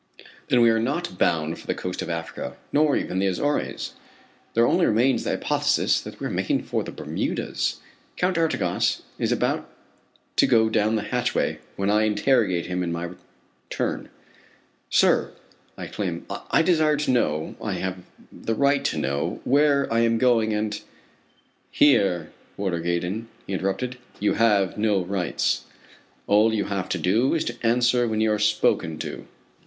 Then we are not bound for the coast of Africa, nor even the Azores. There only remains the hypothesis that we are making for the Bermudas. Count d'Artigas is about to go down the hatchway when I interrogate him in my turn: "Sir," I exclaim, "I desire to know, I have the right to know, where I am going, and " "Here, Warder Gaydon," he interrupted, "you have no rights. All you have to do is to answer when you are spoken to."